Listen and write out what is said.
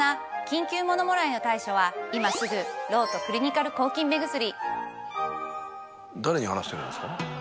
緊急ものもらいには今すぐロートクリニカル抗菌目薬。